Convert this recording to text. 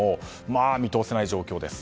見通せない状況です。